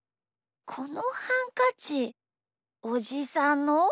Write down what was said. このハンカチおじさんの？